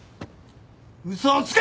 嘘をつけ！